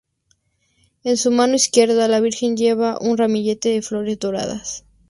En su mano izquierda, la Virgen lleva un ramillete de flores doradas.